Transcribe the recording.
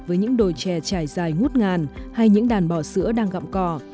với những đồi chè trải dài ngút ngàn hay những đàn bò sữa đang gặm cỏ